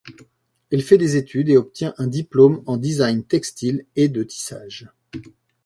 Elle fait des études et obtient un diplôme en design textile et de tissage.